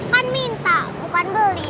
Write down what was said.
kan minta bukan beli